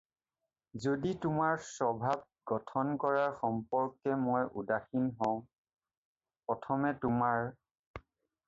যদি তোমাৰ স্বভাব গঠন কৰা সম্পৰ্কে মই উদাসীন হওঁ প্ৰথমতে তোমাৰ